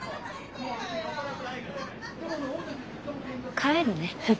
帰るね。